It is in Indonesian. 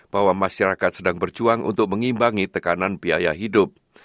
bahwa masyarakat sedang berjuang untuk mengimbangi tekanan biaya hidup